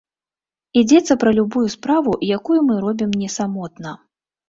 Ідзецца пра любую справу, якую мы робім не самотна.